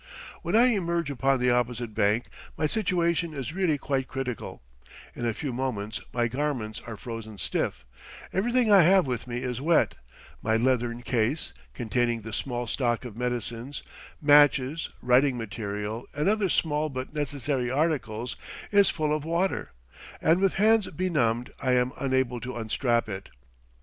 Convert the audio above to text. When I emerge upon the opposite bank my situation is really quite critical; in a few moments my garments are frozen stiff; everything I have with me is wet; my leathern case, containing the small stock of medicines, matches, writing material, and other small but necessary articles, is full of water, and, with hands benumbed, I am unable to unstrap it.